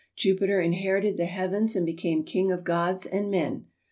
Jupiter inherited the heavens and became king of gods and men.